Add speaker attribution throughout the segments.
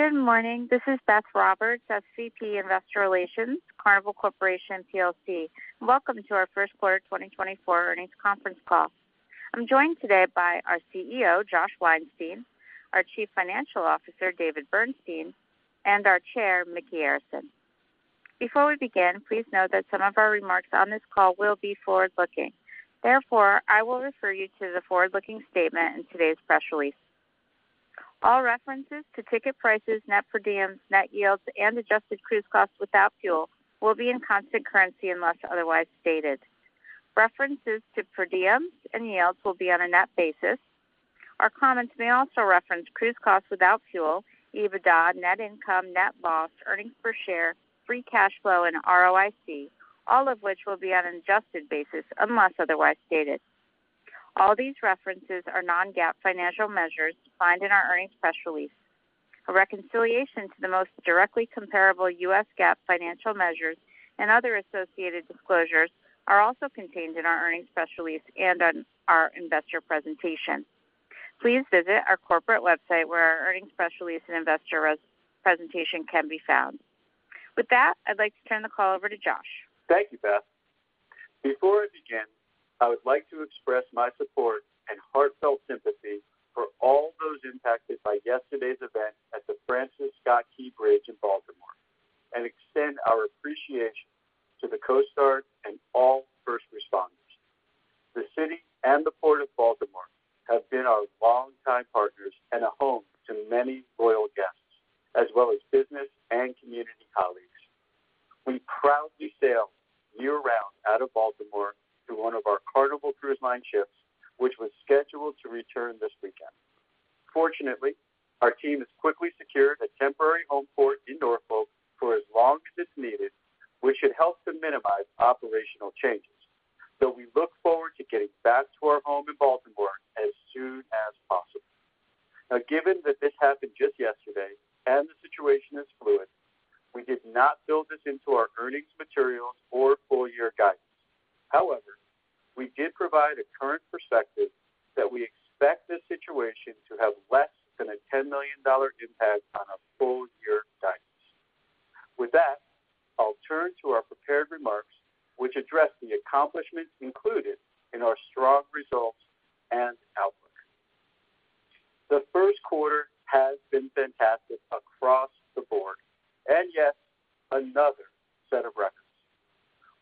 Speaker 1: Good morning. This is Beth Roberts at Carnival Investor Relations, Carnival Corporation & plc. Welcome to our first quarter 2024 earnings conference call. I'm joined today by our CEO, Josh Weinstein, our Chief Financial Officer, David Bernstein, and our Chair, Micky Arison. Before we begin, please note that some of our remarks on this call will be forward-looking. Therefore, I will refer you to the forward-looking statement in today's press release. All references to ticket prices, net per diems, net yields, and adjusted cruise costs without fuel will be in constant currency unless otherwise stated. References to per diems and yields will be on a net basis. Our comments may also reference cruise costs without fuel, EBITDA, net income, net loss, earnings per share, free cash flow, and ROIC, all of which will be on an adjusted basis unless otherwise stated. All these references are non-GAAP financial measures defined in our earnings press release. A reconciliation to the most directly comparable U.S. GAAP financial measures and other associated disclosures are also contained in our earnings press release and on our investor presentation. Please visit our corporate website where our earnings press release and investor presentation can be found. With that, I'd like to turn the call over to Josh.
Speaker 2: Thank you, Beth. Before I begin, I would like to express my support and heartfelt sympathy for all those impacted by yesterday's event at the Francis Scott Key Bridge in Baltimore and extend our appreciation to the Coast Guard and all first responders. The city and the Port of Baltimore have been our longtime partners and a home to many loyal guests, as well as business and community colleagues. We proudly sailed year-round out of Baltimore to one of our Carnival Cruise Line ships, which was scheduled to return this weekend. Fortunately, our team has quickly secured a temporary home port in Norfolk for as long as it's needed, which should help to minimize operational changes, so we look forward to getting back to our home in Baltimore as soon as possible. Now, given that this happened just yesterday and the situation is fluid, we did not build this into our earnings materials or full-year guidance. However, we did provide a current perspective that we expect this situation to have less than a $10 million impact on our full-year guidance. With that, I'll turn to our prepared remarks, which address the accomplishments included in our strong results and outlook. The first quarter has been fantastic across the board, and yes, another set of records.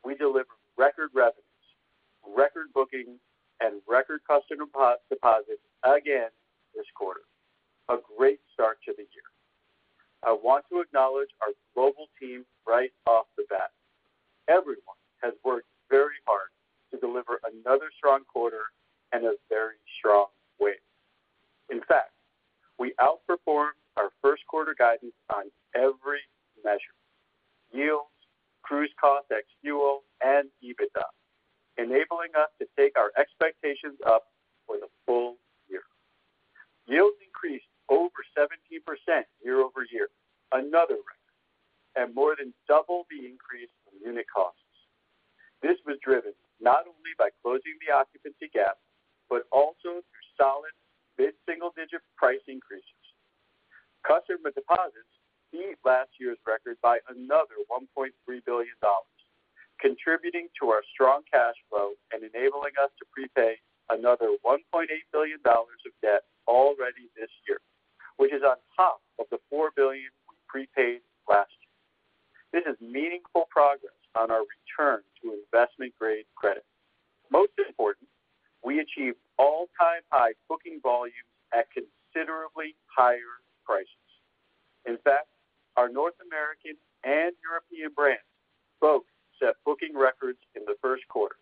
Speaker 2: We delivered record revenues, record bookings, and record customer deposits again this quarter, a great start to the year. I want to acknowledge our global team right off the bat. Everyone has worked very hard to deliver another strong quarter in a very strong way. In fact, we outperformed our first quarter guidance on every measure: yields, cruise costs ex fuel, and EBITDA, enabling us to take our expectations up for the full year. Yields increased over 17% year-over-year, another record, and more than double the increase in unit costs. This was driven not only by closing the occupancy gap but also through solid mid-single-digit price increases. Customer deposits beat last year's record by another $1.3 billion, contributing to our strong cash flow and enabling us to prepay another $1.8 billion of debt already this year, which is on top of the $4 billion we prepaid last year. This is meaningful progress on our return to investment-grade credit. Most importantly, we achieved all-time high booking volumes at considerably higher prices. In fact, our North American and European brands both set booking records in the first quarter,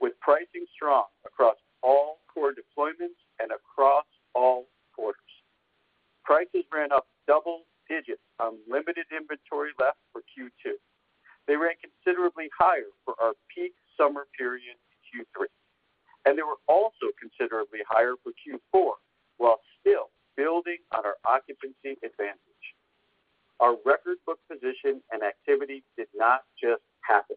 Speaker 2: with pricing strong across all core deployments and across all quarters. Prices ran up double digits on limited inventory left for Q2. They ran considerably higher for our peak summer period in Q3, and they were also considerably higher for Q4 while still building on our occupancy advantage. Our record book position and activity did not just happen,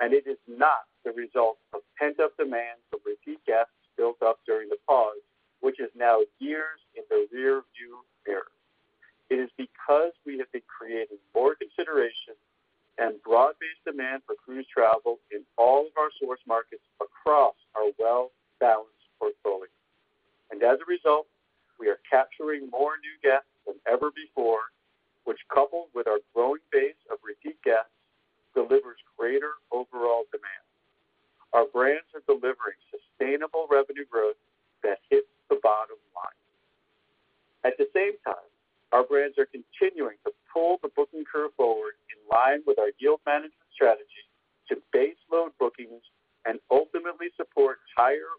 Speaker 2: and it is not the result of pent-up demand from repeat guests built up during the pause, which is now years in the rearview mirror. It is because we have been creating more consideration and broad-based demand for cruise travel in all of our source markets across our well-balanced portfolio. As a result, we are capturing more new guests than ever before, which, coupled with our growing base of repeat guests, delivers greater overall demand. Our brands are delivering sustainable revenue growth that hits the bottom line. At the same time, our brands are continuing to pull the booking curve forward in line with our yield management strategy to baseload bookings and ultimately support higher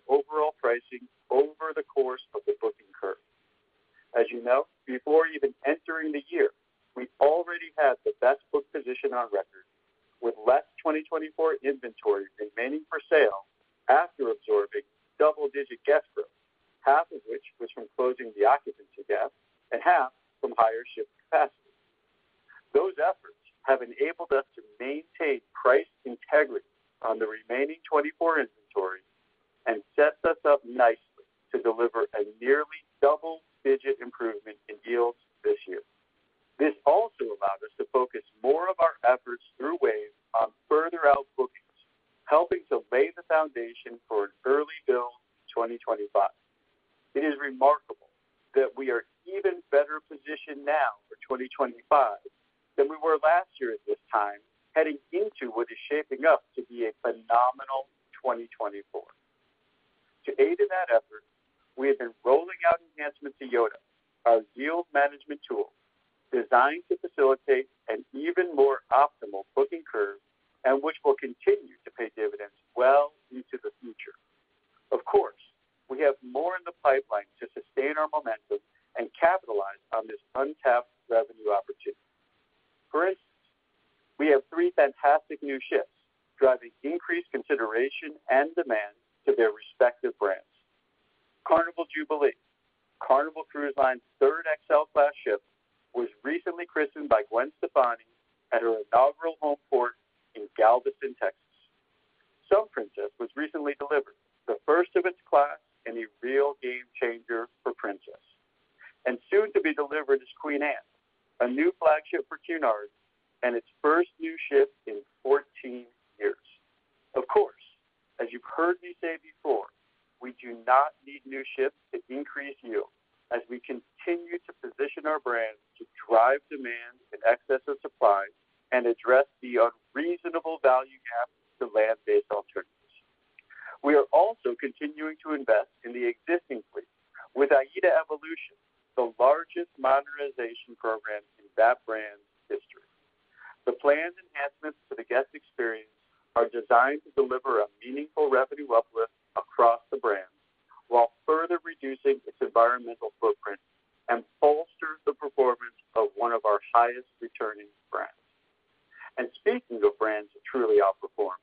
Speaker 2: the largest modernization program in that brand's history. The planned enhancements to the guest experience are designed to deliver a meaningful revenue uplift across the brand while further reducing its environmental footprint and bolster the performance of one of our highest-returning brands. And speaking of brands that truly outperform,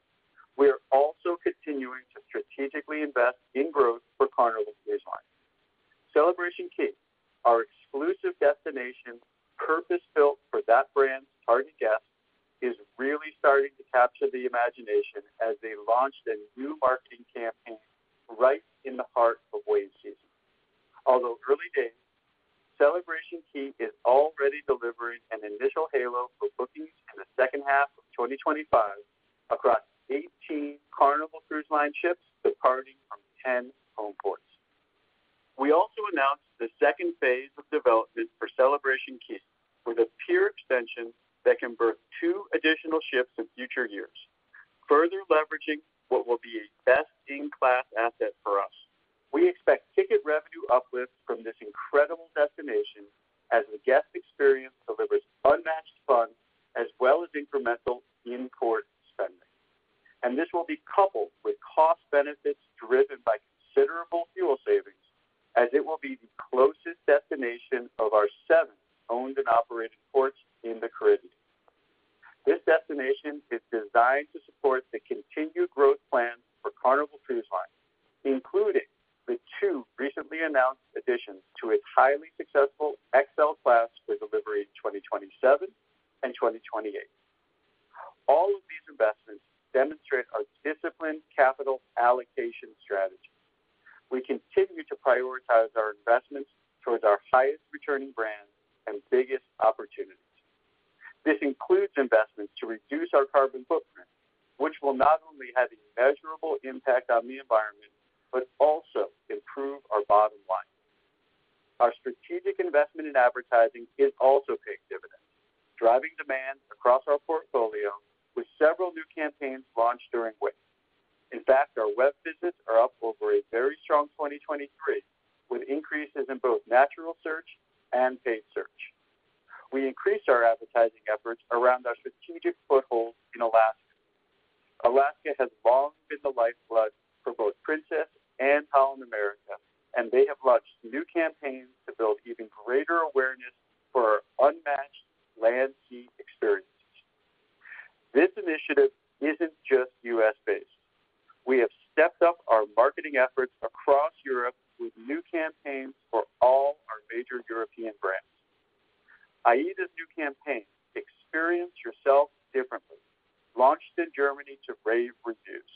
Speaker 2: we are also continuing to strategically invest in growth for Carnival Cruise Line. Celebration Key, our exclusive destination purpose-built for that brand's target guest, is really starting to capture the imagination as they launched a new marketing campaign right in the heart of Wave season. Although early days, Celebration Key is already delivering an initial halo for bookings in the second half of 2025 across 18 Carnival Cruise Line ships departing from 10 home ports. We also announced the second phase of development for Celebration Key with a pier extension that can berth two additional ships in future years, further leveraging what will be a best-in-class asset for us. We expect ticket revenue uplifts from this incredible destination as the guest experience delivers unmatched fun as well as incremental in-port spending. This will be coupled with cost-benefits driven by considerable fuel savings as it will be the closest destination of our 7 owned and operated ports in the Caribbean. This destination is designed to support the continued growth plans for Carnival Cruise Line, including the 2 recently announced additions to its highly successful XL-class for delivery 2027 and 2028. All of these investments demonstrate our disciplined capital allocation strategy. We continue to prioritize our investments towards our highest-returning brands and biggest opportunities. This includes investments to reduce our carbon footprint, which will not only have a measurable impact on the environment but also improve our bottom line. Our strategic investment in advertising is also paying dividends, driving demand across our portfolio with several new campaigns launched during Wave season. In fact, our web visits are up over a very strong 2023 with increases in both natural search and paid search. We increased our advertising efforts around our strategic foothold in Alaska. Alaska has long been the lifeblood for both Princess and Holland America, and they have launched new campaigns to build even greater awareness for our unmatched land-sea experiences. This initiative isn't just U.S.-based. We have stepped up our marketing efforts across Europe with new campaigns for all our major European brands. AIDA's new campaign, Experience Yourself Differently, launched in Germany to rave reviews.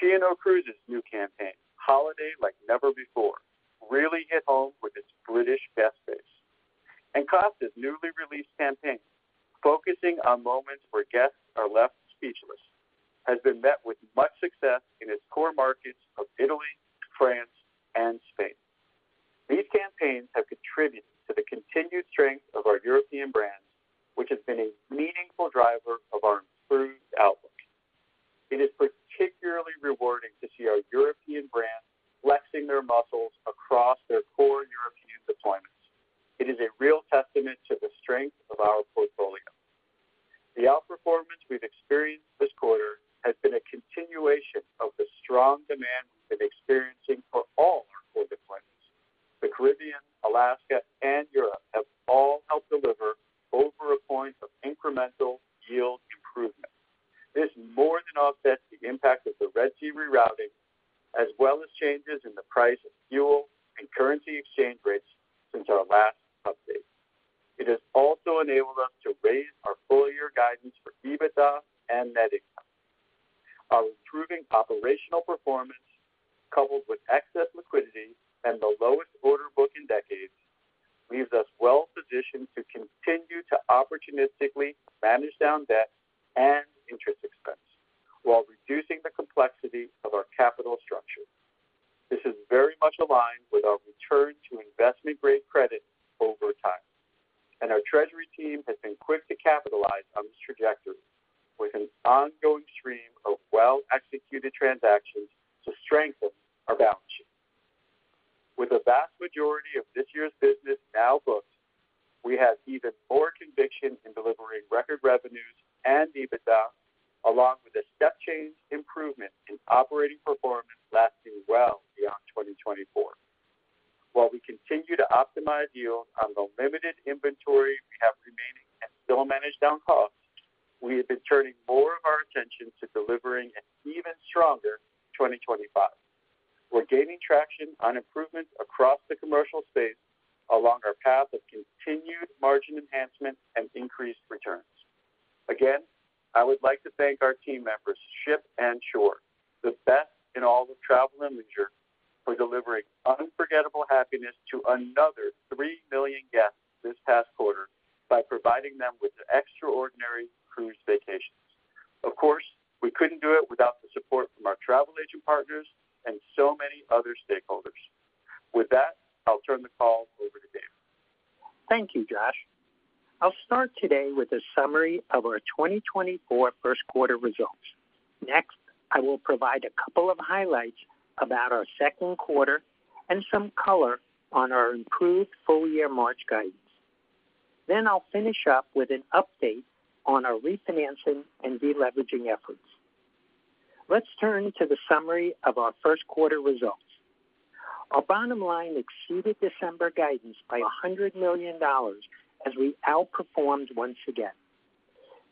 Speaker 2: P&O Cruises' new campaign, Holiday Like Never Before, really hit home with its British guest base. And Costa's newly released campaign, focusing on moments where guests are left speechless, has been met with much success in its core markets of Italy, France, and Spain. These campaigns have contributed to the continued strength of our European brands, which has been a meaningful driver of our improved outlook. It is particularly rewarding to see our European brands flexing their muscles across their core European deployments. It is a real testament to the strength of our portfolio. The outperformance we've experienced this quarter has been a continuation of the strong demand we've been experiencing for all our core deployments. The Caribbean, Alaska, and Europe have all helped deliver over a point of incremental yield improvement. This more than offsets the impact of the Red Sea rerouting as well as changes in the price of fuel and currency exchange rates since our last update. It has also enabled us to raise our full-year guidance for EBITDA and net income. Our improving operational performance, coupled with excess liquidity and the lowest order book in decades, leaves us well positioned to continue to opportunistically manage down debt and interest expense while reducing the complexity of our capital structure. This is very much aligned with our return to investment-grade credit over time, and our treasury team has been quick to capitalize on this trajectory with an ongoing stream of well-executed transactions to strengthen our balance sheet. With the vast majority of this year's business now booked, we have even more conviction in delivering record revenues and EBITDA, along with a step-change improvement in operating performance lasting well beyond 2024. While we continue to optimize yields on the limited inventory we have remaining and still manage down costs, we have been turning more of our attention to delivering an even stronger 2025. We're gaining traction on improvements across the commercial space along our path of continued margin enhancement and increased returns. Again, I would like to thank our team members, ship and shore, the best in all of travel and leisure, for delivering unforgettable happiness to another three million guests this past quarter by providing them with extraordinary cruise vacations. Of course, we couldn't do it without the support from our travel agent partners and so many other stakeholders. With that, I'll turn the call over to David.
Speaker 3: Thank you, Josh. I'll start today with a summary of our 2024 first quarter results. Next, I will provide a couple of highlights about our second quarter and some color on our improved full-year March guidance. Then I'll finish up with an update on our refinancing and deleveraging efforts. Let's turn to the summary of our first quarter results. Our bottom line exceeded December guidance by $100 million as we outperformed once again.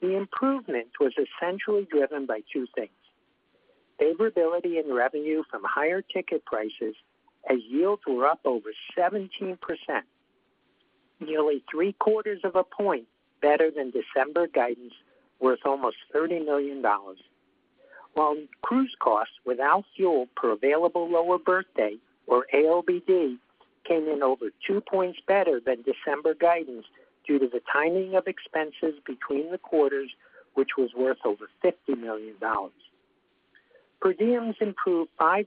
Speaker 3: The improvement was essentially driven by two things: favorability in revenue from higher ticket prices as yields were up over 17%, nearly three-quarters of a point better than December guidance worth almost $30 million, while cruise costs without fuel per available lower berth day or ALBD came in over two points better than December guidance due to the timing of expenses between the quarters, which was worth over $50 million. Per diems improved 5%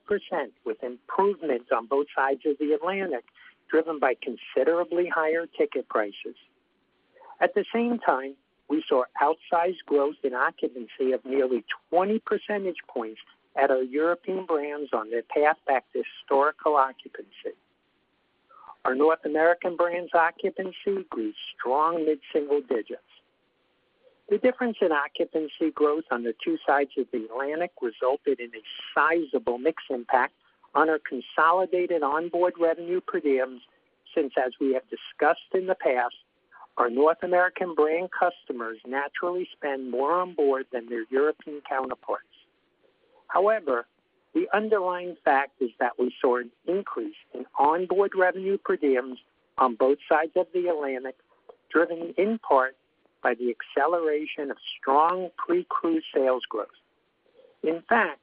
Speaker 3: with improvements on both sides of the Atlantic driven by considerably higher ticket prices. At the same time, we saw outsized growth in occupancy of nearly 20 percentage points at our European brands on their path back to historical occupancy. Our North American brands' occupancy grew strong mid-single digits. The difference in occupancy growth on the two sides of the Atlantic resulted in a sizable mix impact on our consolidated onboard revenue per diems since, as we have discussed in the past, our North American brand customers naturally spend more onboard than their European counterparts. However, the underlying fact is that we saw an increase in onboard revenue per diems on both sides of the Atlantic, driven in part by the acceleration of strong pre-cruise sales growth. In fact,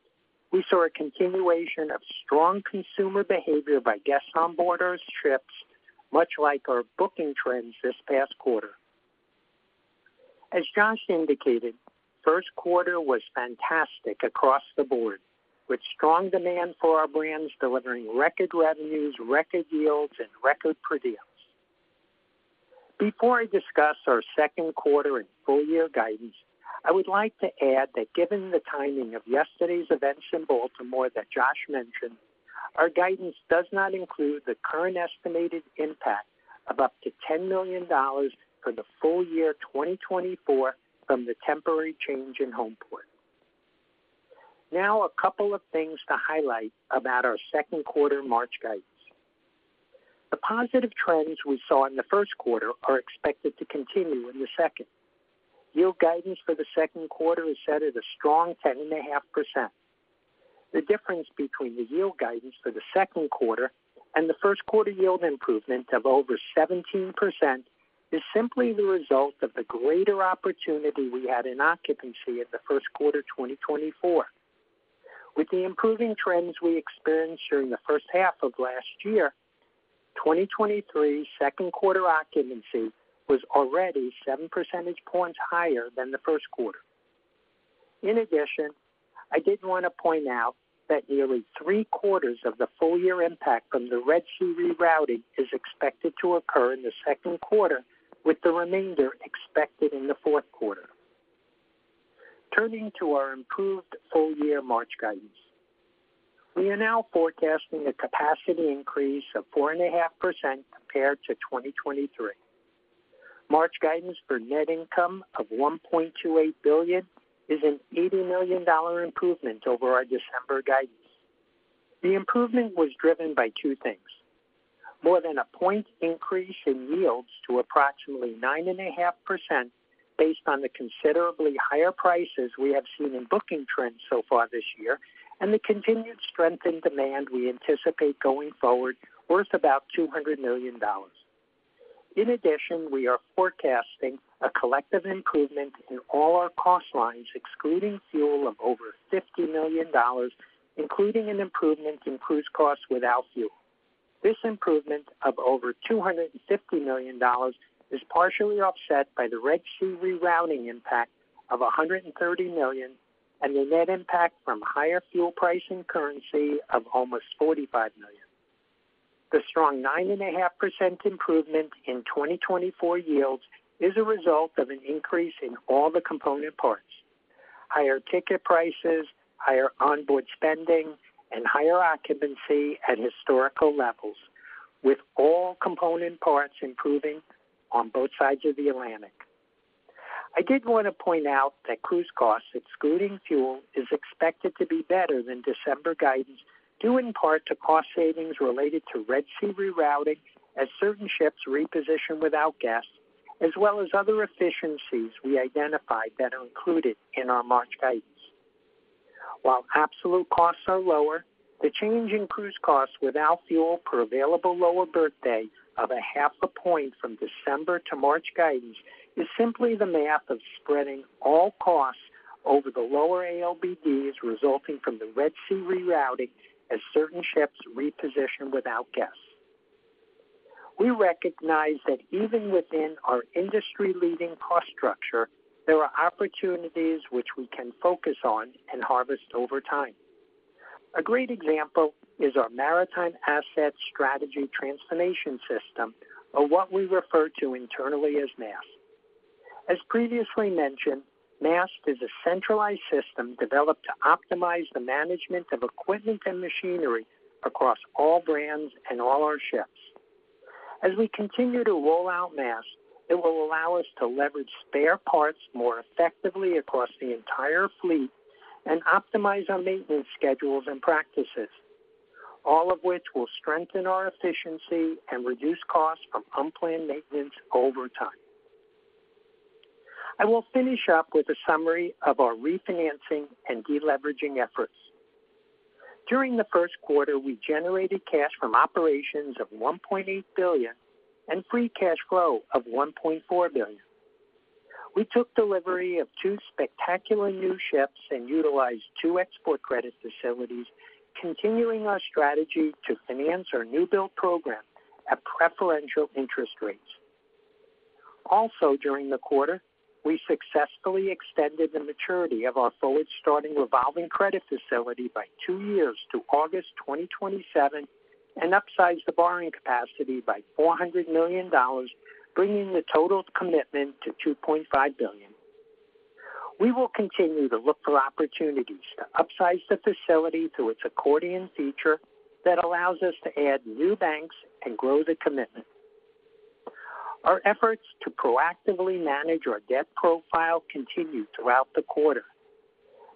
Speaker 3: we saw a continuation of strong consumer behavior by guest onboarders' trips, much like our booking trends this past quarter. As Josh indicated, first quarter was fantastic across the board, with strong demand for our brands delivering record revenues, record yields, and record per diems. Before I discuss our second quarter and full-year guidance, I would like to add that given the timing of yesterday's events in Baltimore that Josh mentioned, our guidance does not include the current estimated impact of up to $10 million for the full year 2024 from the temporary change in home port. Now, a couple of things to highlight about our second quarter March guidance. The positive trends we saw in the first quarter are expected to continue in the second. Yield guidance for the second quarter is set at a strong 10.5%. The difference between the yield guidance for the second quarter and the first quarter yield improvement of over 17% is simply the result of the greater opportunity we had in occupancy in the first quarter 2024. With the improving trends we experienced during the first half of last year, 2023 second quarter occupancy was already 7 percentage points higher than the first quarter. In addition, I did want to point out that nearly three-quarters of the full-year impact from the Red Sea rerouting is expected to occur in the second quarter, with the remainder expected in the fourth quarter. Turning to our improved full-year March guidance, we are now forecasting a capacity increase of 4.5% compared to 2023. March guidance for net income of $1.28 billion is an $80 million improvement over our December guidance. The improvement was driven by two things: more than a point increase in yields to approximately 9.5% based on the considerably higher prices we have seen in booking trends so far this year, and the continued strength in demand we anticipate going forward worth about $200 million. In addition, we are forecasting a collective improvement in all our cost lines, excluding fuel, of over $50 million, including an improvement in cruise costs without fuel. This improvement of over $250 million is partially offset by the Red Sea rerouting impact of $130 million and the net impact from higher fuel price and currency of almost $45 million. The strong 9.5% improvement in 2024 yields is a result of an increase in all the component parts: higher ticket prices, higher onboard spending, and higher occupancy at historical levels, with all component parts improving on both sides of the Atlantic. I did want to point out that cruise costs, excluding fuel, are expected to be better than December guidance, due in part to cost savings related to Red Sea rerouting as certain ships reposition without guests, as well as other efficiencies we identified that are included in our March guidance. While absolute costs are lower, the change in cruise costs without fuel per available lower berth day of 0.5 point from December to March guidance is simply the math of spreading all costs over the lower ALBDs resulting from the Red Sea rerouting as certain ships reposition without guests. We recognize that even within our industry-leading cost structure, there are opportunities which we can focus on and harvest over time. A great example is our Maritime Asset Strategy Transformation, or what we refer to internally as MAST. As previously mentioned, MAST is a centralized system developed to optimize the management of equipment and machinery across all brands and all our ships. As we continue to roll out MAST, it will allow us to leverage spare parts more effectively across the entire fleet and optimize our maintenance schedules and practices, all of which will strengthen our efficiency and reduce costs from unplanned maintenance over time. I will finish up with a summary of our refinancing and deleveraging efforts. During the first quarter, we generated cash from operations of $1.8 billion and free cash flow of $1.4 billion. We took delivery of two spectacular new ships and utilized two export credit facilities, continuing our strategy to finance our newbuild program at preferential interest rates. Also, during the quarter, we successfully extended the maturity of our forward-starting revolving credit facility by two years to August 2027 and upsized the borrowing capacity by $400 million, bringing the total commitment to $2.5 billion. We will continue to look for opportunities to upsize the facility through its accordion feature that allows us to add new banks and grow the commitment. Our efforts to proactively manage our debt profile continue throughout the quarter.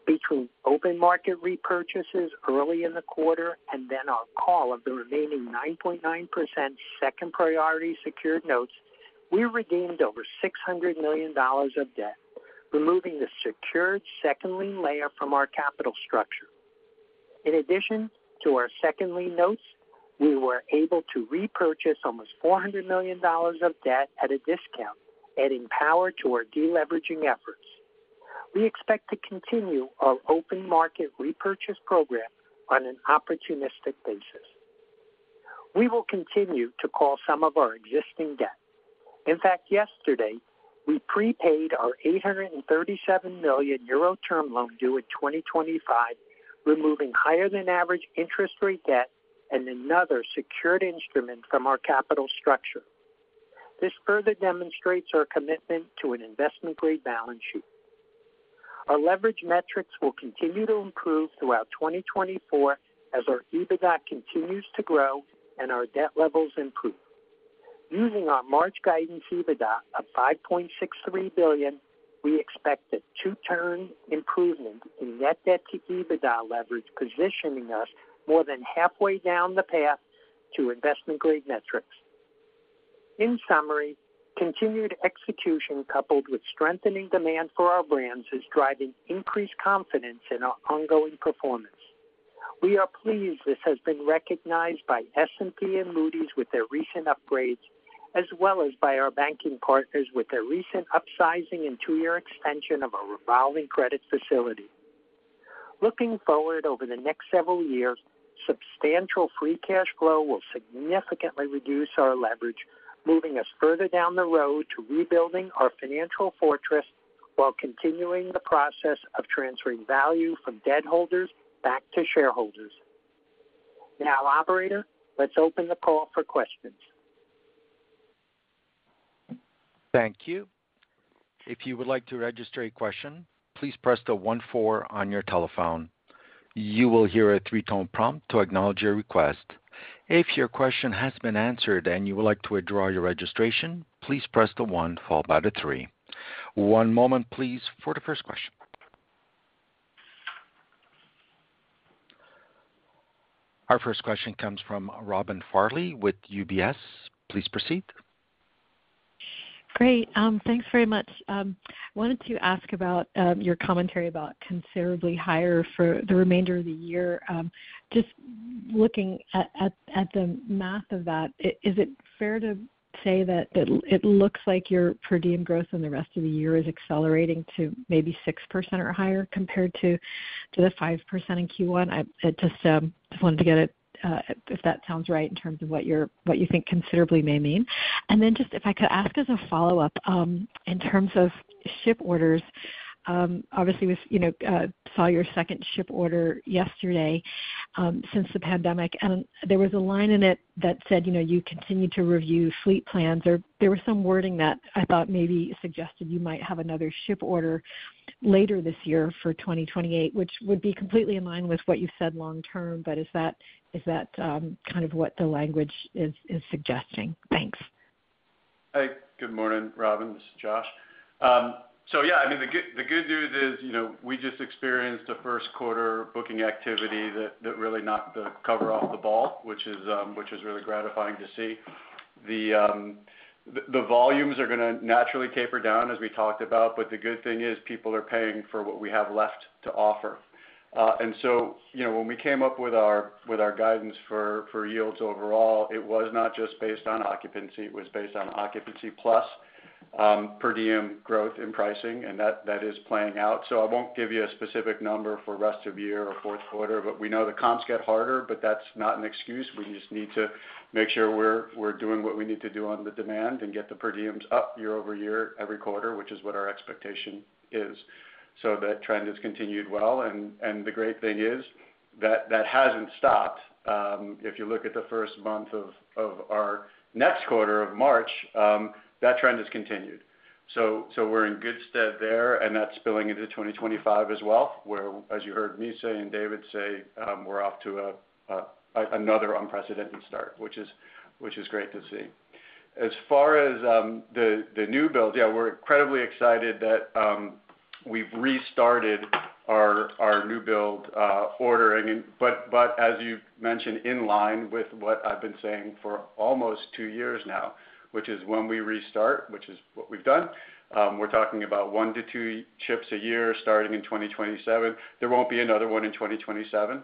Speaker 3: Between open market repurchases early in the quarter and then our call of the remaining 9.9% second priority secured notes, we redeemed over $600 million of debt, removing the secured second lien layer from our capital structure. In addition to our second lien notes, we were able to repurchase almost $400 million of debt at a discount, adding power to our deleveraging efforts. We expect to continue our open market repurchase program on an opportunistic basis. We will continue to call some of our existing debt. In fact, yesterday, we prepaid our 837 million euro term loan due in 2025, removing higher-than-average interest rate debt and another secured instrument from our capital structure. This further demonstrates our commitment to an investment-grade balance sheet. Our leverage metrics will continue to improve throughout 2024 as our EBITDA continues to grow and our debt levels improve. Using our March guidance EBITDA of $5.63 billion, we expect a two-turn improvement in net debt to EBITDA leverage, positioning us more than halfway down the path to investment-grade metrics. In summary, continued execution coupled with strengthening demand for our brands is driving increased confidence in our ongoing performance. We are pleased this has been recognized by S&P and Moody's with their recent upgrades, as well as by our banking partners with their recent upsizing and two-year extension of our revolving credit facility. Looking forward over the next several years, substantial free cash flow will significantly reduce our leverage, moving us further down the road to rebuilding our financial fortress while continuing the process of transferring value from debt holders back to shareholders. Now, operator, let's open the call for questions.
Speaker 4: Thank you. If you would like to register a question, please press the 14 on your telephone. You will hear a three-tone prompt to acknowledge your request. If your question has been answered and you would like to withdraw your registration, please press the one, followed by the three. One moment, please, for the first question. Our first question comes from Robin Farley with UBS. Please proceed.
Speaker 5: Great. Thanks very much. I wanted to ask about your commentary about considerably higher for the remainder of the year. Just looking at the math of that, is it fair to say that it looks like your per diem growth in the rest of the year is accelerating to maybe 6% or higher compared to the 5% in Q1? I just wanted to get it if that sounds right in terms of what you think considerably may mean. Then just if I could ask as a follow-up, in terms of ship orders, obviously, we saw your second ship order yesterday since the pandemic, and there was a line in it that said, "You continue to review fleet plans," or there was some wording that I thought maybe suggested you might have another ship order later this year for 2028, which would be completely in line with what you've said long-term, but is that kind of what the language is suggesting? Thanks.
Speaker 2: Hey, good morning, Robin. This is Josh. So yeah, I mean, the good news is we just experienced a first-quarter booking activity that really knocked the cover off the ball, which is really gratifying to see. The volumes are going to naturally taper down, as we talked about, but the good thing is people are paying for what we have left to offer. And so when we came up with our guidance for yields overall, it was not just based on occupancy. It was based on occupancy plus per diem growth in pricing, and that is playing out. So I won't give you a specific number for rest of year or fourth quarter, but we know the comps get harder, but that's not an excuse. We just need to make sure we're doing what we need to do on the demand and get the per diems up year-over-year every quarter, which is what our expectation is. So that trend has continued well, and the great thing is that hasn't stopped. If you look at the first month of our next quarter of March, that trend has continued. So we're in good stead there, and that's spilling into 2025 as well, where, as you heard me say and David say, we're off to another unprecedented start, which is great to see. As far as the new build, yeah, we're incredibly excited that we've restarted our new build ordering, but as you mentioned, in line with what I've been saying for almost 2 years now, which is when we restart, which is what we've done, we're talking about 1-2 ships a year starting in 2027. There won't be another one in 2027.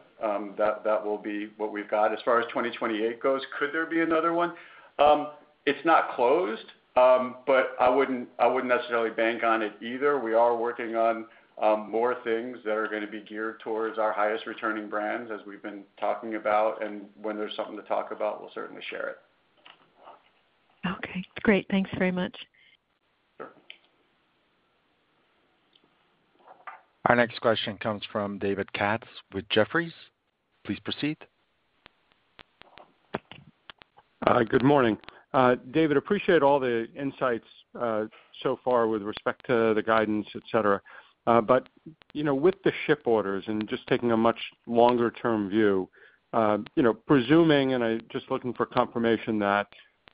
Speaker 2: That will be what we've got. As far as 2028 goes, could there be another one? It's not closed, but I wouldn't necessarily bank on it either. We are working on more things that are going to be geared towards our highest returning brands, as we've been talking about, and when there's something to talk about, we'll certainly share it.
Speaker 5: Okay. Great. Thanks very much.
Speaker 2: Sure.
Speaker 4: Our next question comes from David Katz with Jefferies. Please proceed.
Speaker 6: Good morning. David, appreciate all the insights so far with respect to the guidance, etc. But with the ship orders and just taking a much longer-term view, presuming and just looking for confirmation that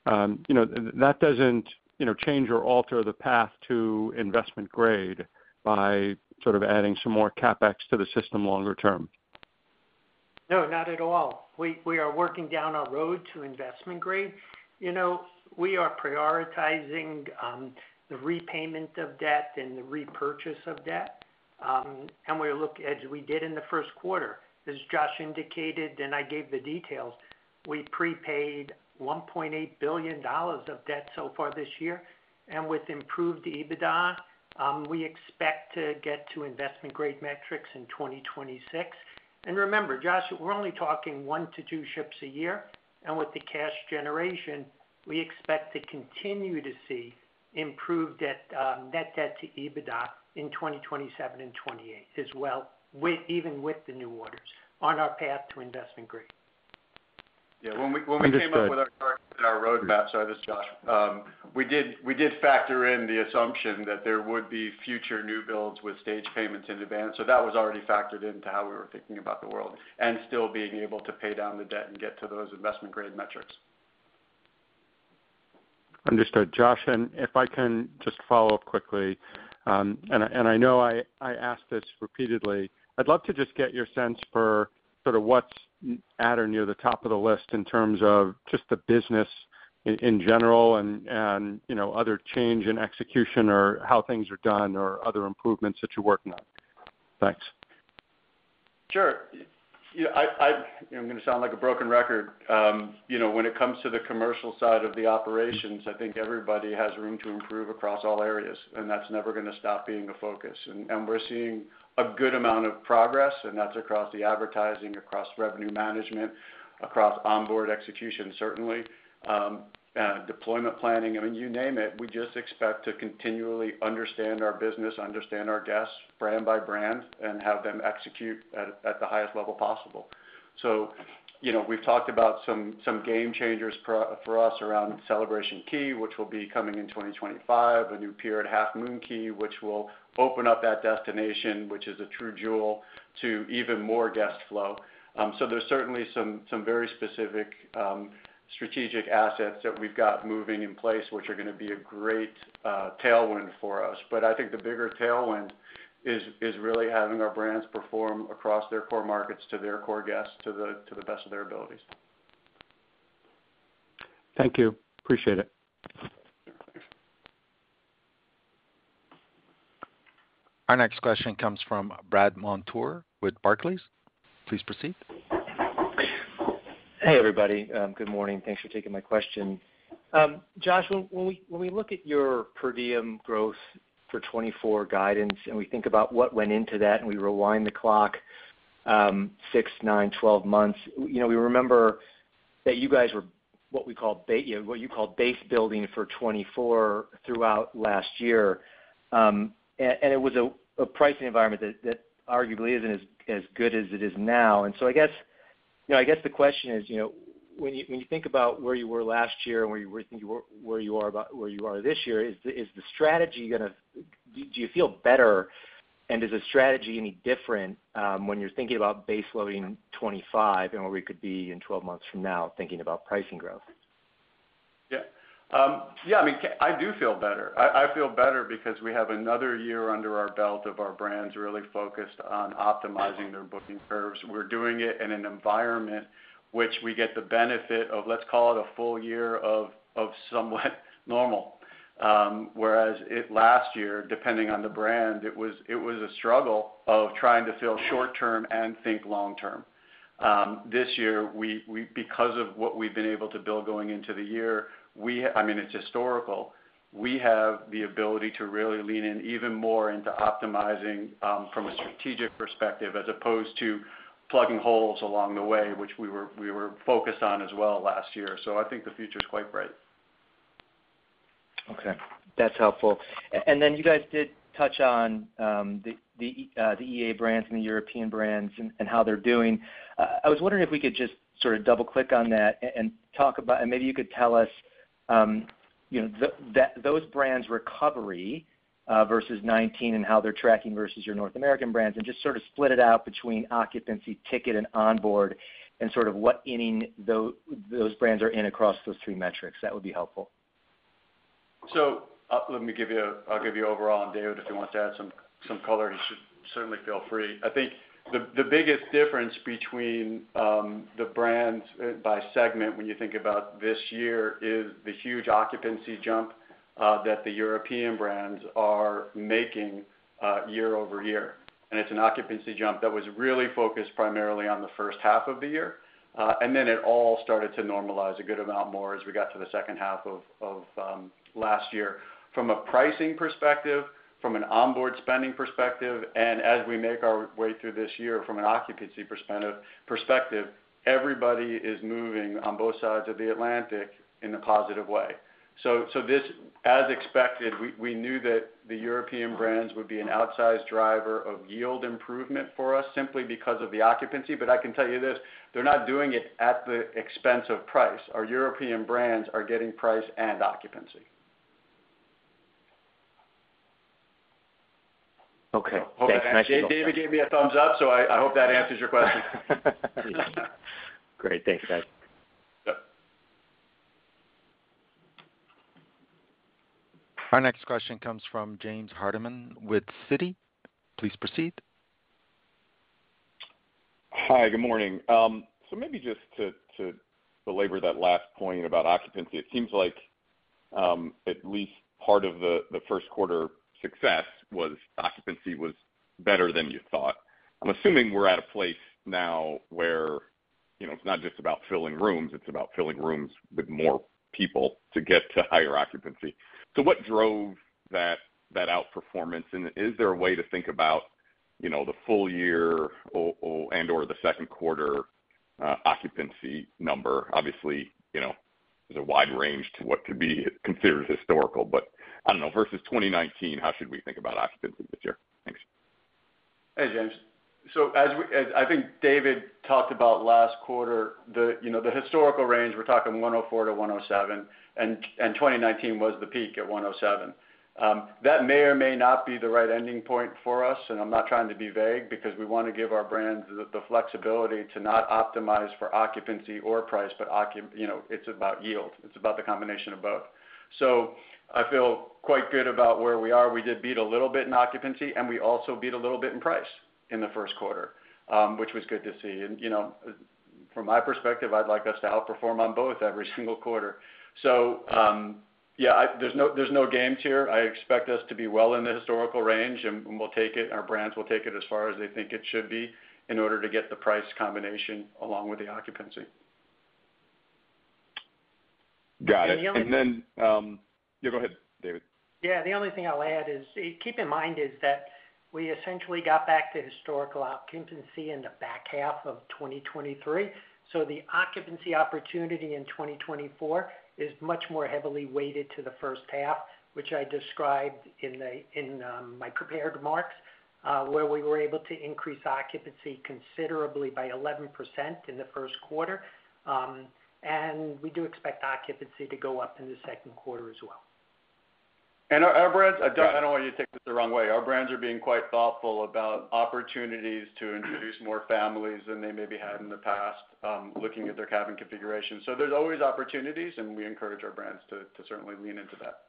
Speaker 6: that doesn't change or alter the path to investment grade by sort of adding some more CapEx to the system longer-term?
Speaker 3: No, not at all. We are working down our road to investment grade. We are prioritizing the repayment of debt and the repurchase of debt, and we're looking as we did in the first quarter. As Josh indicated, and I gave the details, we prepaid $1.8 billion of debt so far this year, and with improved EBITDA, we expect to get to investment-grade metrics in 2026. And remember, Josh, we're only talking 1-2 ships a year, and with the cash generation, we expect to continue to see improved net debt to EBITDA in 2027 and 2028 as well, even with the new orders on our path to investment grade.
Speaker 2: Yeah. When we came up with our roadmap, sorry, this is Josh. We did factor in the assumption that there would be future new builds with stage payments in advance, so that was already factored into how we were thinking about the world and still being able to pay down the debt and get to those investment-grade metrics.
Speaker 6: Understood. Josh, and if I can just follow up quickly and I know I asked this repeatedly. I'd love to just get your sense for sort of what's at or near the top of the list in terms of just the business in general and other change in execution or how things are done or other improvements that you're working on. Thanks. Sure.
Speaker 2: I'm going to sound like a broken record. When it comes to the commercial side of the operations, I think everybody has room to improve across all areas, and that's never going to stop being a focus. And we're seeing a good amount of progress, and that's across the advertising, across revenue management, across onboard execution, certainly, deployment planning. I mean, you name it, we just expect to continually understand our business, understand our guests brand by brand, and have them execute at the highest level possible. So we've talked about some game changers for us around Celebration Key, which will be coming in 2025, a new pier, Half Moon Cay, which will open up that destination, which is a true jewel, to even more guest flow. So there's certainly some very specific strategic assets that we've got moving in place, which are going to be a great tailwind for us. But I think the bigger tailwind is really having our brands perform across their core markets to their core guests to the best of their abilities.
Speaker 6: Thank you. Appreciate it.
Speaker 2: Sure.
Speaker 4: Thanks. Our next question comes from Brandt Montour with Barclays. Please proceed.
Speaker 7: Hey, everybody. Good morning. Thanks for taking my question. Josh, when we look at your per diem growth for 2024 guidance and we think about what went into that and we rewind the clock 6, 9, 12 months, we remember that you guys were what you called base building for 2024 throughout last year, and it was a pricing environment that arguably isn't as good as it is now. And so I guess the question is, when you think about where you were last year and where you think you are where you are this year, is the strategy going to do you feel better, and is the strategy any different when you're thinking about base loading 2025 and where we could be in 12 months from now thinking about pricing growth?
Speaker 2: Yeah. Yeah. I mean, I do feel better. I feel better because we have another year under our belt of our brands really focused on optimizing their booking curves. We're doing it in an environment which we get the benefit of, let's call it, a full year of somewhat normal, whereas last year, depending on the brand, it was a struggle of trying to feel short-term and think long-term. This year, because of what we've been able to build going into the year, I mean, it's historical. We have the ability to really lean in even more into optimizing from a strategic perspective as opposed to plugging holes along the way, which we were focused on as well last year. So I think the future's quite bright.
Speaker 7: Okay. That's helpful. And then you guys did touch on the AIDA brands and the European brands and how they're doing. I was wondering if we could just sort of double-click on that and talk about and maybe you could tell us those brands' recovery versus 2019 and how they're tracking versus your North American brands and just sort of split it out between occupancy, ticket, and onboard and sort of what inning those brands are in across those three metrics. That would be helpful.
Speaker 2: So let me give you overall, and David, if he wants to add some color, he should certainly feel free. I think the biggest difference between the brands by segment when you think about this year is the huge occupancy jump that the European brands are making year-over-year. It's an occupancy jump that was really focused primarily on the first half of the year, and then it all started to normalize a good amount more as we got to the second half of last year from a pricing perspective, from an onboard spending perspective, and as we make our way through this year from an occupancy perspective, everybody is moving on both sides of the Atlantic in a positive way. As expected, we knew that the European brands would be an outsized driver of yield improvement for us simply because of the occupancy. I can tell you this, they're not doing it at the expense of price. Our European brands are getting price and occupancy.
Speaker 7: Okay. Thanks. Nice to meet you.
Speaker 2: David gave me a thumbs up, so I hope that answers your question.
Speaker 7: Great. Thanks, guys.
Speaker 2: Yep.
Speaker 4: Our next question comes from James Hardiman with Citigroup. Please proceed.
Speaker 8: Hi. Good morning. So maybe just to belabor that last point about occupancy, it seems like at least part of the first-quarter success was occupancy was better than you thought. I'm assuming we're at a place now where it's not just about filling rooms. It's about filling rooms with more people to get to higher occupancy. So what drove that outperformance? And is there a way to think about the full year and/or the second-quarter occupancy number? Obviously, there's a wide range to what could be considered historical, but I don't know. Versus 2019, how should we think about occupancy this year?
Speaker 2: Thanks. Hey, James. So as I think David talked about last quarter, the historical range, we're talking 104-107, and 2019 was the peak at 107. That may or may not be the right ending point for us, and I'm not trying to be vague because we want to give our brands the flexibility to not optimize for occupancy or price, but it's about yield. It's about the combination of both. So I feel quite good about where we are. We did beat a little bit in occupancy, and we also beat a little bit in price in the first quarter, which was good to see. And from my perspective, I'd like us to outperform on both every single quarter. So yeah, there's no games here. I expect us to be well in the historical range, and our brands will take it as far as they think it should be in order to get the price combination along with the occupancy.
Speaker 8: Got it. And then yeah, go ahead, David. Yeah.
Speaker 3: The only thing I'll add is, keep in mind, is that we essentially got back to historical occupancy in the back half of 2023. So the occupancy opportunity in 2024 is much more heavily weighted to the first half, which I described in my prepared remarks where we were able to increase occupancy considerably by 11% in the first quarter. And we do expect occupancy to go up in the second quarter as well.
Speaker 2: And our brands, I don't want you to take this the wrong way. Our brands are being quite thoughtful about opportunities to introduce more families than they maybe had in the past looking at their cabin configuration. So there's always opportunities, and we encourage our brands to certainly lean into that.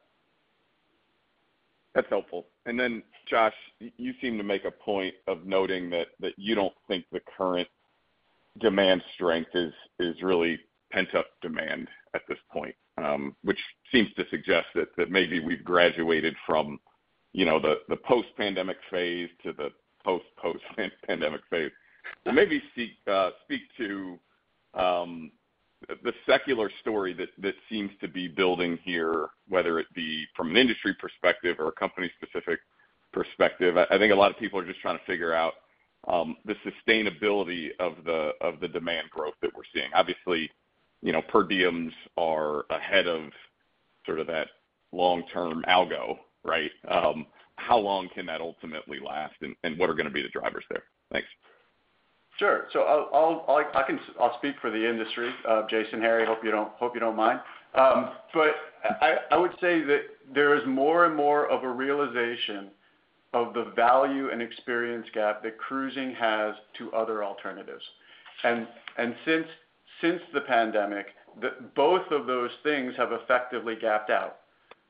Speaker 8: That's helpful. And then, Josh, you seem to make a point of noting that you don't think the current demand strength is really pent-up demand at this point, which seems to suggest that maybe we've graduated from the post-pandemic phase to the post-post-pandemic phase. Maybe speak to the secular story that seems to be building here, whether it be from an industry perspective or a company-specific perspective. I think a lot of people are just trying to figure out the sustainability of the demand growth that we're seeing. Obviously, per diems are ahead of sort of that long-term algo, right? How long can that ultimately last, and what are going to be the drivers there? Thanks.
Speaker 2: Sure. So I'll speak for the industry, Jason, Harry. Hope you don't mind. But I would say that there is more and more of a realization of the value and experience gap that cruising has to other alternatives. And since the pandemic, both of those things have effectively gapped out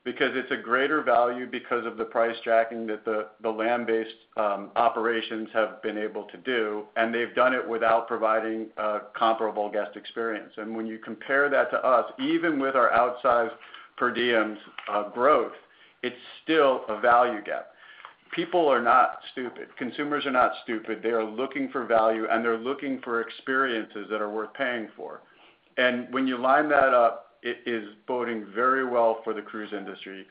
Speaker 2: because it's a greater value because of the price jacking that the land-based operations have been able to do, and they've done it without providing a comparable guest experience. And when you compare that to us, even with our outsized per diems growth, it's still a value gap. People are not stupid. Consumers are not stupid. They are looking for value, and they're looking for experiences that are worth paying for. And when you line that up, it is boding very well for the cruise industry.